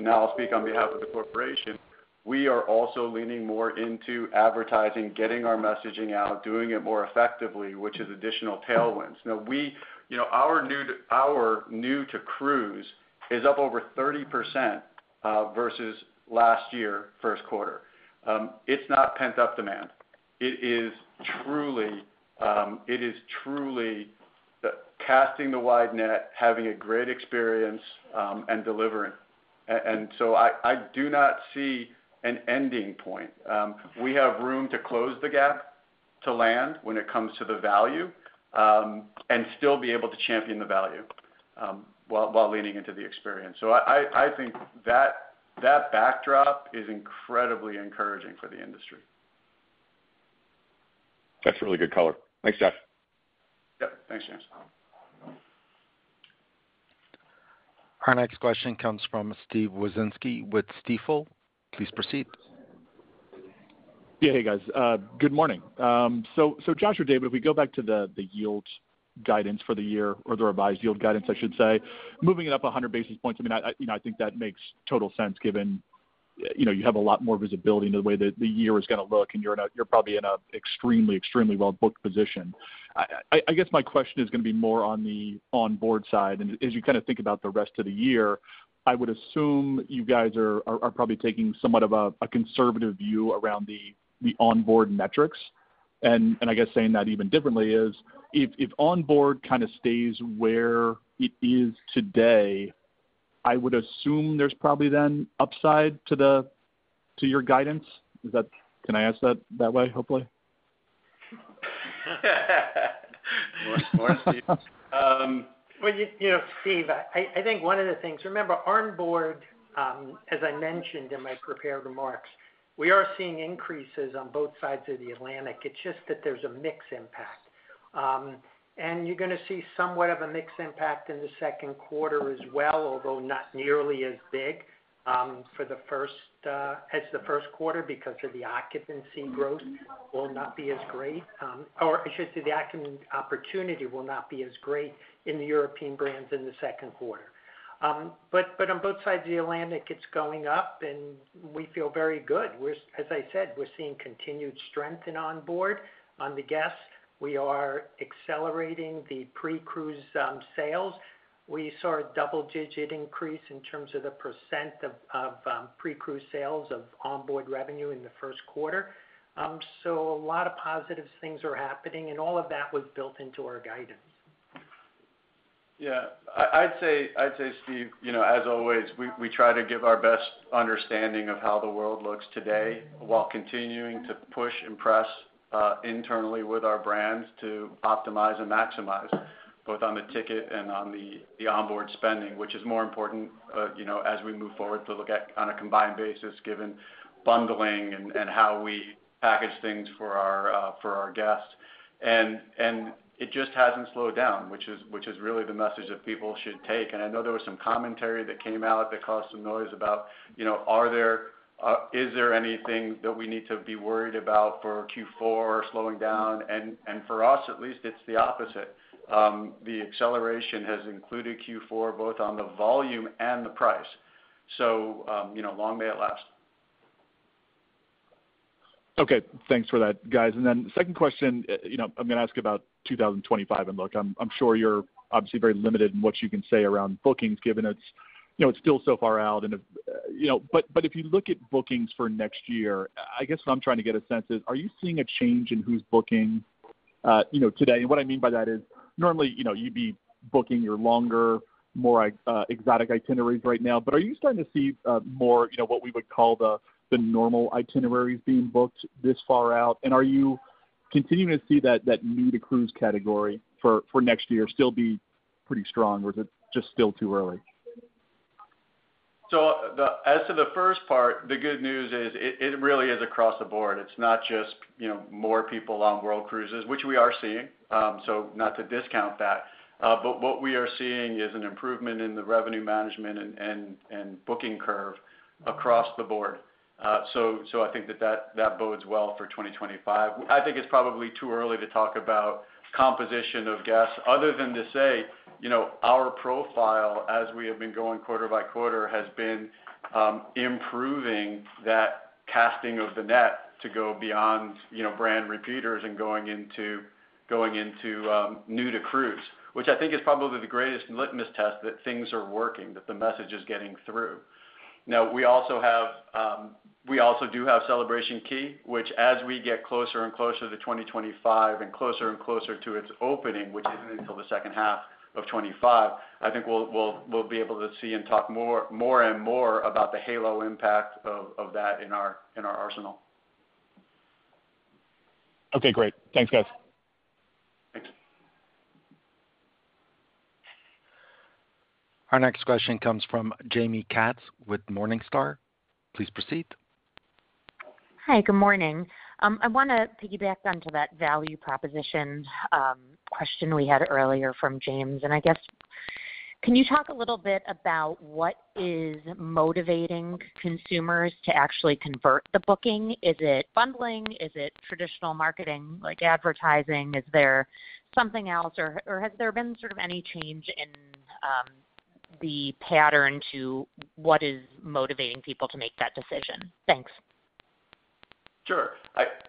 Speaker 2: Now, I'll speak on behalf of the corporation. We are also leaning more into advertising, getting our messaging out, doing it more effectively, which is additional tailwinds. Now, our new-to-cruise is up over 30% versus last year, first quarter. It's not pent-up demand. It is truly casting the wide net, having a great experience, and delivering. And so I do not see an ending point. We have room to close the gap to land when it comes to the value and still be able to champion the value while leaning into the experience. So I think that backdrop is incredibly encouraging for the industry.
Speaker 8: That's really good color. Thanks, Josh.
Speaker 2: Yep. Thanks, James.
Speaker 4: Our next question comes from Steve Wieczynski with Stifel. Please proceed.
Speaker 9: Yeah. Hey, guys. Good morning. So Josh or David, if we go back to the yield guidance for the year or the revised yield guidance, I should say, moving it up 100 basis points, I mean, I think that makes total sense given you have a lot more visibility into the way that the year is going to look, and you're probably in an extremely, extremely well-booked position. I guess my question is going to be more on the onboard side. As you kind of think about the rest of the year, I would assume you guys are probably taking somewhat of a conservative view around the onboard metrics. I guess saying that even differently is, if onboard kind of stays where it is today, I would assume there's probably then upside to your guidance. Can I ask that that way, hopefully? More, Steve.
Speaker 3: Well, Steve, I think one of the things remember, onboard, as I mentioned in my prepared remarks, we are seeing increases on both sides of the Atlantic. It's just that there's a mixed impact. And you're going to see somewhat of a mixed impact in the second quarter as well, although not nearly as big as the first quarter because of the occupancy growth will not be as great or I should say the occupancy opportunity will not be as great in the European brands in the second quarter. But on both sides of the Atlantic, it's going up, and we feel very good. As I said, we're seeing continued strength in onboard on the guests. We are accelerating the pre-cruise sales. We saw a double-digit increase in terms of the % of pre-cruise sales of onboard revenue in the first quarter. So a lot of positive things are happening, and all of that was built into our guidance.
Speaker 2: Yeah. I'd say, Steve, as always, we try to give our best understanding of how the world looks today while continuing to push and press internally with our brands to optimize and maximize both on the ticket and on the onboard spending, which is more important as we move forward to look at on a combined basis given bundling and how we package things for our guests. And it just hasn't slowed down, which is really the message that people should take. And I know there was some commentary that came out that caused some noise about, "Is there anything that we need to be worried about for Q4 slowing down?" And for us at least, it's the opposite. The acceleration has included Q4 both on the volume and the price. So long may it last. Okay.
Speaker 9: Thanks for that, guys. And then second question, I'm going to ask about 2025 and look. I'm sure you're obviously very limited in what you can say around bookings given it's still so far out. But if you look at bookings for next year, I guess what I'm trying to get a sense is, are you seeing a change in who's booking today? And what I mean by that is, normally, you'd be booking your longer, more exotic itineraries right now. But are you starting to see more what we would call the normal itineraries being booked this far out? And are you continuing to see that new-to-cruise category for next year still be pretty strong, or is it just still too early?
Speaker 2: So as to the first part, the good news is it really is across the board. It's not just more people on world cruises, which we are seeing, so not to discount that. But what we are seeing is an improvement in the revenue management and booking curve across the board. So I think that that bodes well for 2025. I think it's probably too early to talk about composition of guests other than to say our profile, as we have been going quarter by quarter, has been improving that casting of the net to go beyond brand repeaters and going into new-to-cruise, which I think is probably the greatest litmus test that things are working, that the message is getting through. Now, we also have we also do have Celebration Key, which as we get closer and closer to 2025 and closer and closer to its opening, which isn't until the second half of 2025, I think we'll be able to see and talk more and more about the halo impact of that in our arsenal.
Speaker 9: Okay. Great. Thanks, guys.
Speaker 4: Thanks. Our next question comes from Jaime Katz with Morningstar. Please proceed.
Speaker 10: Hi. Good morning. I want to piggyback onto that value proposition question we had earlier from James. And I guess, can you talk a little bit about what is motivating consumers to actually convert the booking? Is it bundling? Is it traditional marketing like advertising? Is there something else, or has there been sort of any change in the pattern to what is motivating people to make that decision? Thanks. Sure.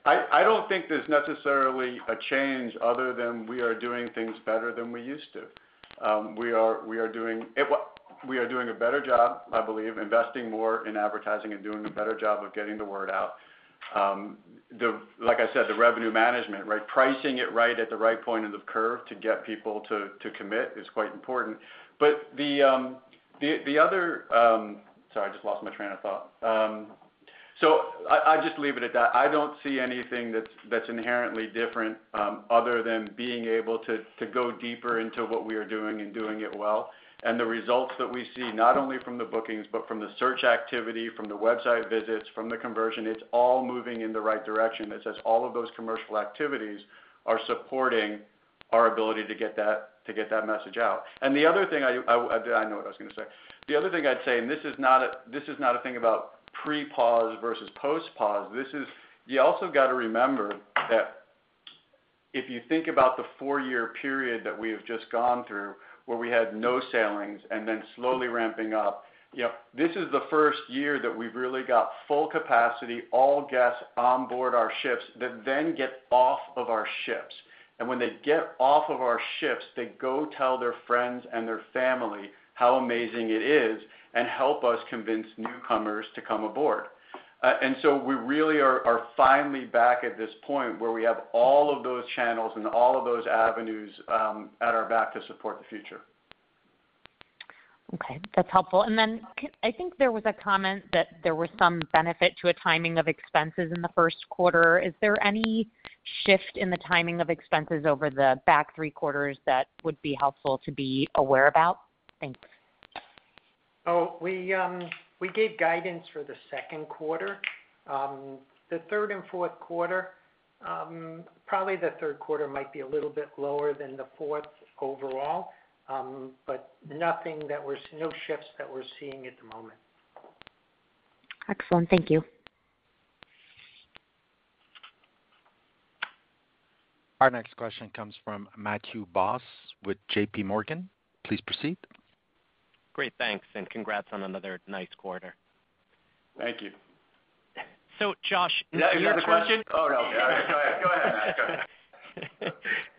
Speaker 2: I don't think there's necessarily a change other than we are doing things better than we used to. We are doing a better job, I believe, investing more in advertising and doing a better job of getting the word out. Like I said, the revenue management, right? Pricing it right at the right point of the curve to get people to commit is quite important. But the other sorry, I just lost my train of thought. So I'll just leave it at that. I don't see anything that's inherently different other than being able to go deeper into what we are doing and doing it well. The results that we see, not only from the bookings but from the search activity, from the website visits, from the conversion, it's all moving in the right direction. That says all of those commercial activities are supporting our ability to get that message out. The other thing I know what I was going to say. The other thing I'd say, and this is not a thing about pre-pause versus post-pause. You also got to remember that if you think about the four-year period that we have just gone through where we had no sailings and then slowly ramping up, this is the first year that we've really got full capacity, all guests onboard our ships that then get off of our ships. And when they get off of our ships, they go tell their friends and their family how amazing it is and help us convince newcomers to come aboard. And so we really are finally back at this point where we have all of those channels and all of those avenues at our back to support the future.
Speaker 10: Okay. That's helpful. And then I think there was a comment that there was some benefit to a timing of expenses in the first quarter. Is there any shift in the timing of expenses over the back three quarters that would be helpful to be aware about? Thanks.
Speaker 3: Oh, we gave guidance for the second quarter. The third and fourth quarter, probably the third quarter might be a little bit lower than the fourth overall, but no shifts that we're seeing at the moment.
Speaker 10: Excellent. Thank you.
Speaker 4: Our next question comes from Matthew Boss with J.P. Morgan. Please proceed.
Speaker 11: Great. Thanks. And congrats on another nice quarter.
Speaker 2: Thank you.
Speaker 11: So Josh, near-term.
Speaker 2: Yeah. You here to question? Oh, no. Go ahead. Go ahead, Matt. Go ahead.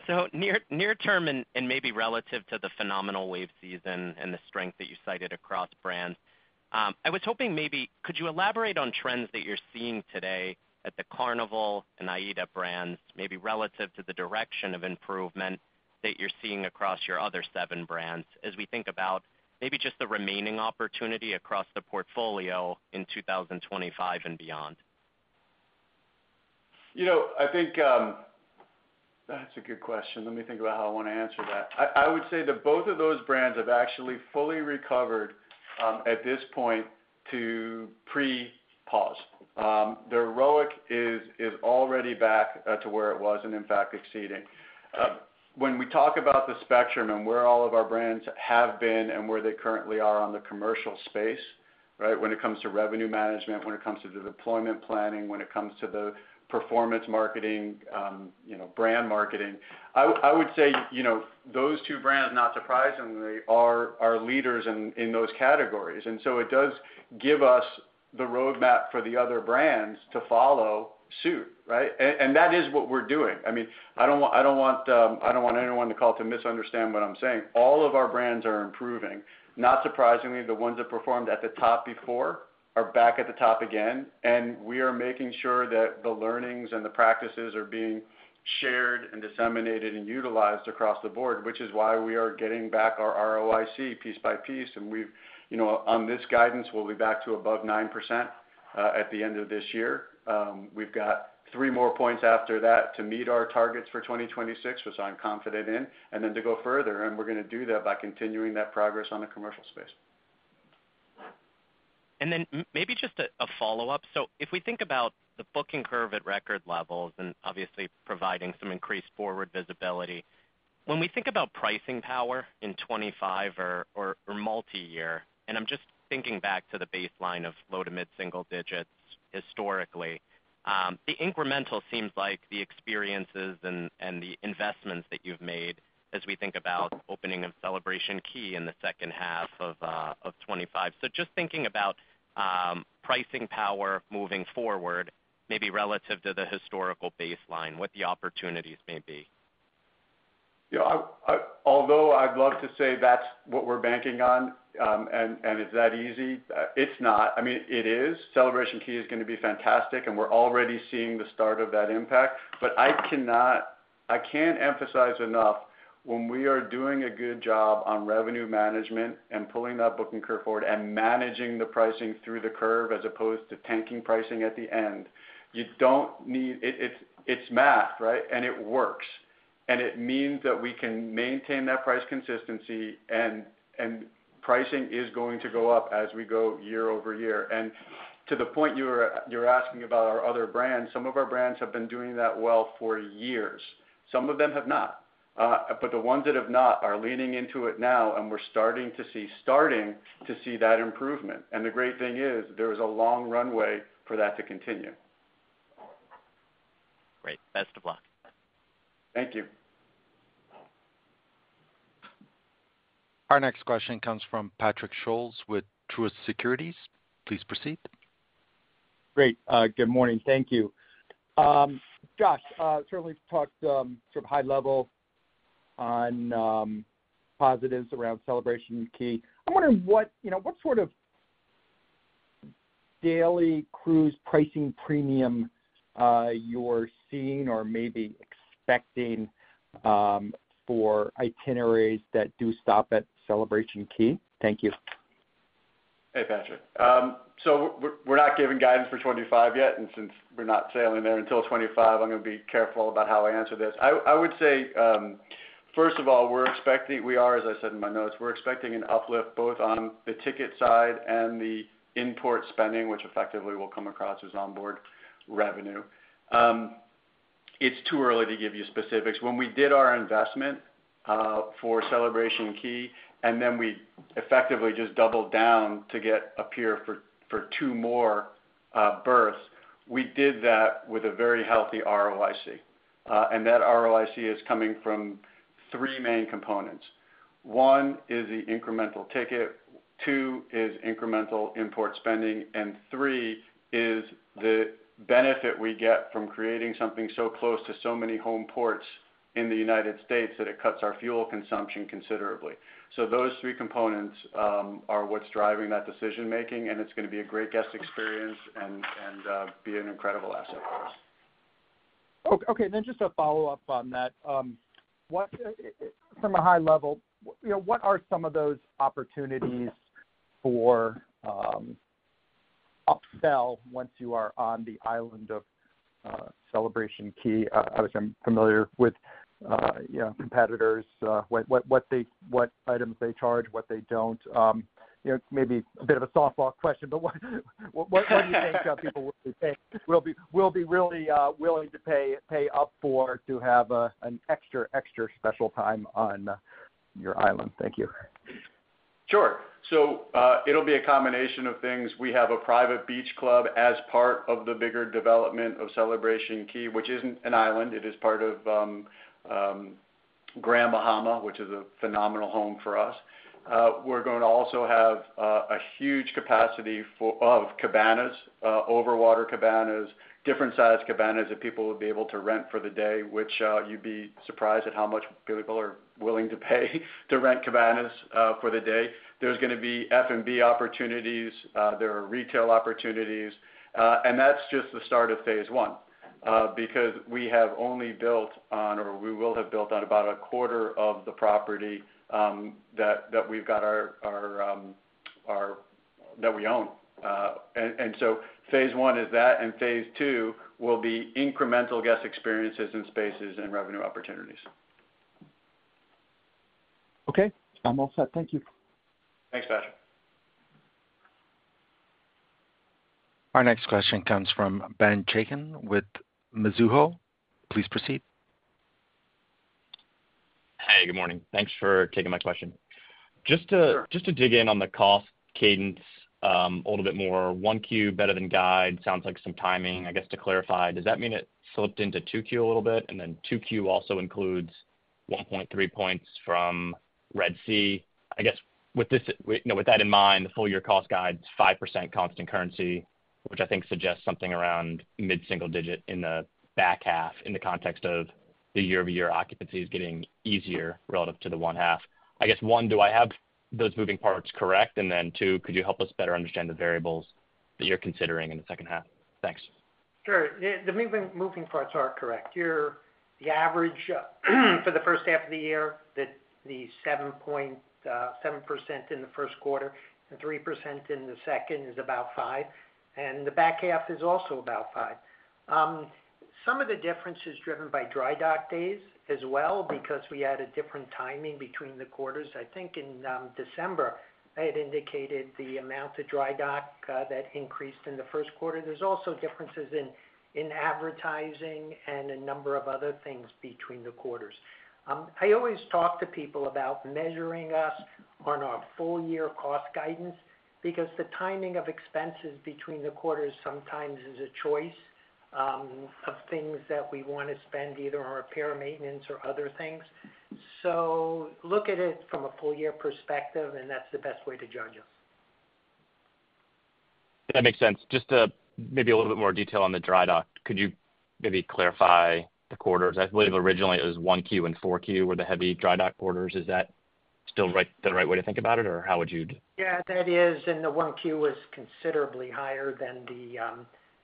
Speaker 11: So near-term and maybe relative to the phenomenal Wave season and the strength that you cited across brands, I was hoping maybe could you elaborate on trends that you're seeing today at the Carnival and AIDA brands, maybe relative to the direction of improvement that you're seeing across your other seven brands as we think about maybe just the remaining opportunity across the portfolio in 2025 and beyond?
Speaker 2: I think that's a good question. Let me think about how I want to answer that. I would say that both of those brands have actually fully recovered at this point to pre-pause. The ROIC is already back to where it was and, in fact, exceeding. When we talk about the spectrum and where all of our brands have been and where they currently are on the commercial space, right, when it comes to revenue management, when it comes to the deployment planning, when it comes to the performance marketing, brand marketing, I would say those two brands, not surprisingly, are leaders in those categories. And so it does give us the roadmap for the other brands to follow suit, right? And that is what we're doing. I mean, I don't want anyone to call to misunderstand what I'm saying. All of our brands are improving. Not surprisingly, the ones that performed at the top before are back at the top again. We are making sure that the learnings and the practices are being shared and disseminated and utilized across the board, which is why we are getting back our ROIC piece by piece. On this guidance, we'll be back to above 9% at the end of this year. We've got three more points after that to meet our targets for 2026, which I'm confident in, and then to go further. We're going to do that by continuing that progress on the commercial space.
Speaker 11: Then maybe just a follow-up. So if we think about the booking curve at record levels and obviously providing some increased forward visibility, when we think about pricing power in 2025 or multi-year and I'm just thinking back to the baseline of low to mid-single digits historically, the incremental seems like the experiences and the investments that you've made as we think about opening of Celebration Key in the second half of 2025. So just thinking about pricing power moving forward maybe relative to the historical baseline, what the opportunities may be.
Speaker 2: Yeah. Although I'd love to say that's what we're banking on, and is that easy? It's not. I mean, it is. Celebration Key is going to be fantastic, and we're already seeing the start of that impact. But I can't emphasize enough when we are doing a good job on revenue management and pulling that booking curve forward and managing the pricing through the curve as opposed to tanking pricing at the end, you don't need, it's math, right? And it works. And it means that we can maintain that price consistency, and pricing is going to go up as we go year-over-year. And to the point you're asking about our other brands, some of our brands have been doing that well for years. Some of them have not. But the ones that have not are leaning into it now, and we're starting to see that improvement. And the great thing is there is a long runway for that to continue.
Speaker 11: Great. Best of luck.
Speaker 4: Thank you. Our next question comes from Patrick Scholes with Truist Securities. Please proceed.
Speaker 12: Great. Good morning. Thank you. Josh certainly talked sort of high-level on positives around Celebration Key. I'm wondering what sort of daily cruise pricing premium you're seeing or maybe expecting for itineraries that do stop at Celebration Key. Thank you.
Speaker 2: Hey, Patrick. So we're not giving guidance for 2025 yet. And since we're not sailing there until 2025, I'm going to be careful about how I answer this. I would say, first of all, we are as I said in my notes, we're expecting an uplift both on the ticket side and the onboard spending, which effectively will come across as onboard revenue. It's too early to give you specifics. When we did our investment for Celebration Key and then we effectively just doubled down to get a pier for two more berths, we did that with a very healthy ROIC. And that ROIC is coming from three main components. One is the incremental ticket. Two is incremental in-port spending. And three is the benefit we get from creating something so close to so many home ports in the United States that it cuts our fuel consumption considerably. So those three components are what's driving that decision-making, and it's going to be a great guest experience and be an incredible asset for us.
Speaker 12: Okay. And then just a follow-up on that. From a high level, what are some of those opportunities for upsell once you are on the island of Celebration Key? Obviously, I'm familiar with competitors, what items they charge, what they don't. Maybe a bit of a softball question, but what do you think people will be really willing to pay up for to have an extra, extra special time on your island? Thank you.
Speaker 2: Sure. So it'll be a combination of things. We have a private beach club as part of the bigger development of Celebration Key, which isn't an island. It is part of Grand Bahama, which is a phenomenal home for us. We're going to also have a huge capacity of cabanas, overwater cabanas, different-sized cabanas that people would be able to rent for the day, which you'd be surprised at how much people are willing to pay to rent cabanas for the day. There's going to be F&B opportunities. There are retail opportunities. And that's just the start of phase one because we have only built on or we will have built on about a quarter of the property that we've got that we own. And so phase two will be incremental guest experiences in spaces and revenue opportunities.
Speaker 12: Okay. I'm all set. Thank you.
Speaker 2: Thanks, Patrick.
Speaker 4: Our next question comes from Ben Chaiken with Mizuho. Please proceed.
Speaker 13: Hey. Good morning. Thanks for taking my question. Just to dig in on the cost cadence a little bit more. 1Q better than guide. Sounds like some timing. I guess to clarify, does that mean it slipped into 2Q a little bit? And then 2Q also includes 1.3 points from Red Sea. I guess with that in mind, the full-year cost guide's 5% constant currency, which I think suggests something around mid-single digit in the back half in the context of the year-over-year occupancy is getting easier relative to the one half. I guess, one, do I have those moving parts correct? And then, two, could you help us better understand the variables that you're considering in the second half?
Speaker 3: Thanks. Sure. The moving parts are correct. The average for the first half of the year, the 7% in the first quarter and 3% in the second is about 5. The back half is also about 5. Some of the difference is driven by dry dock days as well because we had a different timing between the quarters. I think in December, I had indicated the amount of dry dock that increased in the first quarter. There's also differences in advertising and a number of other things between the quarters. I always talk to people about measuring us on our full-year cost guidance because the timing of expenses between the quarters sometimes is a choice of things that we want to spend either on repair, maintenance, or other things. So look at it from a full-year perspective, and that's the best way to judge us.
Speaker 13: That makes sense. Just maybe a little bit more detail on the dry dock. Could you maybe clarify the quarters? I believe originally, it was 1Q and 4Q were the heavy dry dock quarters. Is that still the right way to think about it, or how would you?
Speaker 3: Yeah. That is. And the 1Q was considerably higher than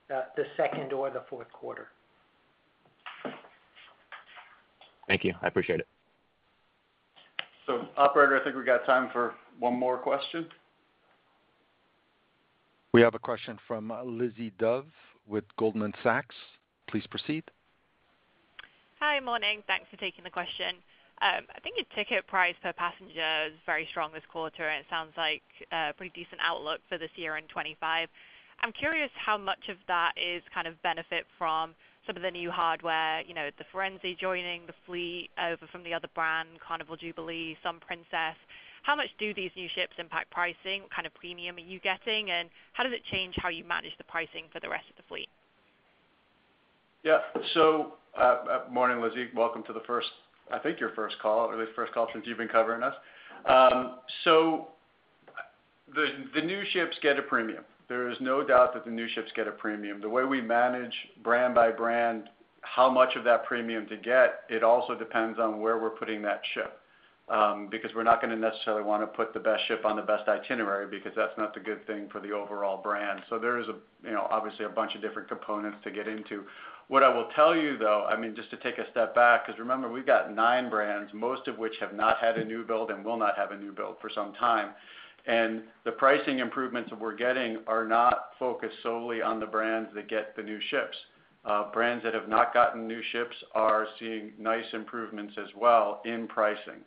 Speaker 3: the second or the fourth quarter.
Speaker 13: Thank you. I appreciate it.
Speaker 2: So operator, I think we got time for 1 more question.
Speaker 4: We have a question from Lizzie Dove with Goldman Sachs. Please proceed.
Speaker 14: Hi. Morning. Thanks for taking the question. I think your ticket price per passenger is very strong this quarter, and it sounds like a pretty decent outlook for this year in 2025. I'm curious how much of that is kind of benefit from some of the new hardware, the Firenze joining the fleet over from the other brand, Carnival Jubilee, some Princess. How much do these new ships impact pricing? What kind of premium are you getting? And how does it change how you manage the pricing for the rest of the fleet?
Speaker 2: Yeah. So morning, Lizzie. Welcome to the first I think your first call or the first call since you've been covering us. So the new ships get a premium. There is no doubt that the new ships get a premium. The way we manage brand by brand how much of that premium to get, it also depends on where we're putting that ship because we're not going to necessarily want to put the best ship on the best itinerary because that's not the good thing for the overall brand. So there is obviously a bunch of different components to get into. What I will tell you, though, I mean, just to take a step back because remember, we've got nine brands, most of which have not had a new build and will not have a new build for some time. And the pricing improvements that we're getting are not focused solely on the brands that get the new ships. Brands that have not gotten new ships are seeing nice improvements as well in pricing.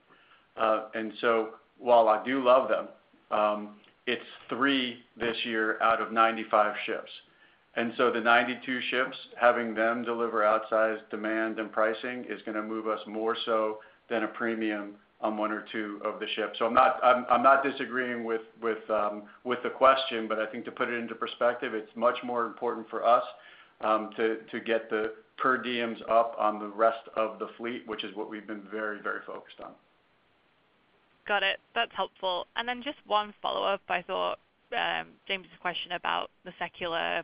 Speaker 2: And so while I do love them, it's three this year out of 95 ships. And so the 92 ships, having them deliver outsized demand and pricing is going to move us more so than a premium on one or two of the ships. So I'm not disagreeing with the question, but I think to put it into perspective, it's much more important for us to get the per diems up on the rest of the fleet, which is what we've been very, very focused on.
Speaker 14: Got it. That's helpful. And then just one follow-up. I thought James's question about the secular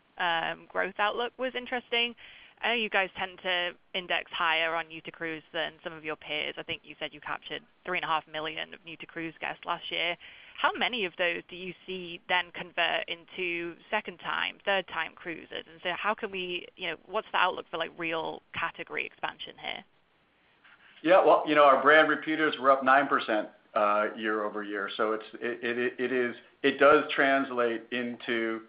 Speaker 14: growth outlook was interesting. I know you guys tend to index higher on new-to-cruise than some of your peers. I think you said you captured 3.5 million of new-to-cruise guests last year. How many of those do you see then convert into second-time, third-time cruisers? And so how can we what's the outlook for real category expansion here?
Speaker 2: Yeah. Well, our brand repeaters, we're up 9% year-over-year. So it does translate into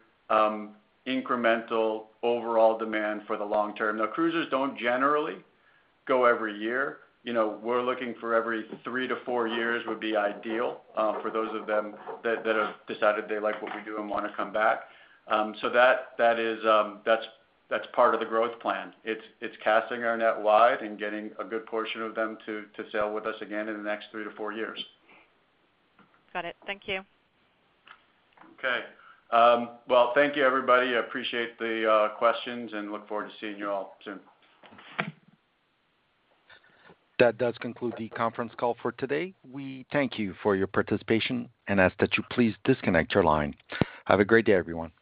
Speaker 2: incremental overall demand for the long term. Now, cruisers don't generally go every year. We're looking for every three to four years would be ideal for those of them that have decided they like what we do and want to come back. So that's part of the growth plan. It's casting our net wide and getting a good portion of them to sail with us again in the next three to four years.
Speaker 14: Got it. Thank you.
Speaker 2: Okay. Well, thank you, everybody. I appreciate the questions and look forward to seeing you all soon.
Speaker 4: That does conclude the conference call for today. We thank you for your participation and ask that you please disconnect your line. Have a great day, everyone.